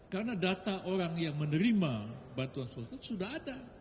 karena data orang yang menerima bantuan sosial itu sudah ada